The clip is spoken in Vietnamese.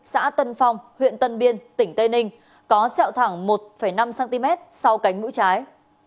xã tân phong huyện tân biên tỉnh tây ninh có sẹo thẳng một năm cm sau cánh mũi trái